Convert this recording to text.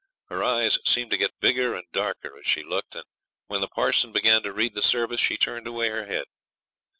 Her eyes seemed to get bigger and darker as she looked, and when the parson began to read the service she turned away her head.